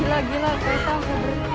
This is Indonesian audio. elah elah kita lari ici